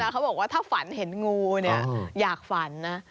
เขาบอกว่าถ้าฝันเห็นงูอยากฝันนะ